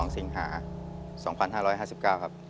๒๐๒๒สิงหาคม๒๕๕๙ครับ